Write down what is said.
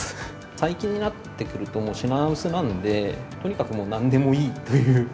最近になってくると、もう品薄なんで、とにかくもう、なんでもいいという。